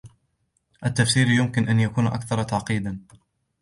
التفسير يمكن أن يكون أكثر تعقيدا.